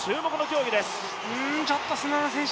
ちょっと砂田選手